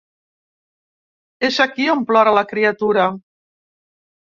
És aquí on plora la criatura.